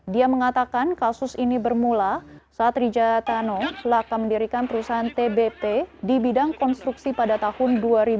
dia mengatakan kasus ini bermula saat rijatano laka mendirikan perusahaan tbp di bidang konstruksi pada tahun dua ribu dua